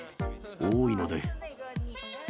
多いので。